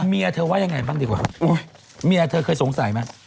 เมียเธอว่ายังไงบ้างดีกว่าเมียเธอเคยสงสัยไหม